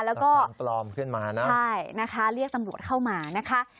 แล้วก็เรียกตำรวจเข้ามานะคะ